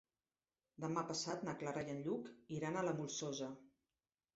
Demà passat na Clara i en Lluc iran a la Molsosa.